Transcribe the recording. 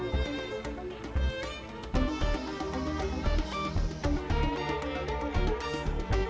hanya selama energy club ada pinjaman dan polaritas yang antar laba atau babas pola ini